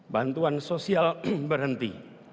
bantuan sosial berhenti